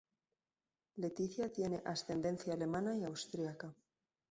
Letícia tiene ascendencia alemana y austriaca.